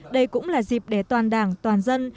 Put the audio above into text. đây cũng là dịp để toàn đảng toàn dân